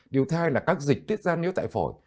điều thai là các dịch tiết ra nếu tại phổi